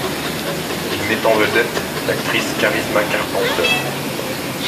Il met en vedette l'actrice Charisma Carpenter.